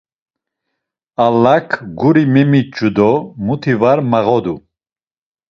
Allak guri memiç̌u do muti var mağodu.